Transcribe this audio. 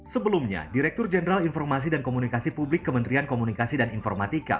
sebelumnya direktur jenderal informasi dan komunikasi publik kementerian komunikasi dan informatika